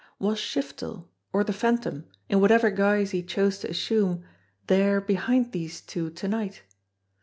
Was Shiftel, or the Phantom in whatever guise he chose to assume, there behind these two to night?